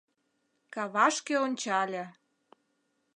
Кавашке ончале.